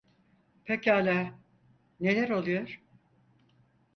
Pekâlâ, neler oluyor?